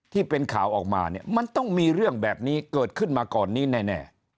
ที่เป็นข่าวออกมาเนี่ยมันต้องมีเรื่องแบบนี้เกิดขึ้นมาก่อนนี้แน่